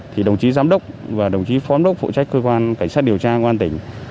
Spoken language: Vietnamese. thì đồng chí giám đốc và đồng chí phóng đốc phụ trách cơ quan cảnh sát điều tra quán tỉnh